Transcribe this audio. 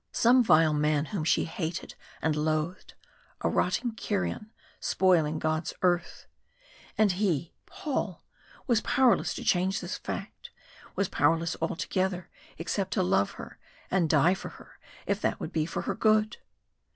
Some vile man whom she hated and loathed, a "rotting carrion spoiling God's earth." And he Paul was powerless to change this fact was powerless altogether except to love her and die for her if that would be for her good.